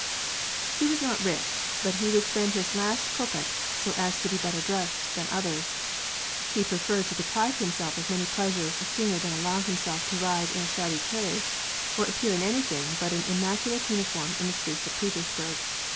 He was not rich, but he would spend his last kopek so as to be better dressed than others ; he preferred to de prive himself of many pleasures sooner than allow himself to ride in a shabby carriage or appear in anything but an im maculate uniform in the streets of Petersburg.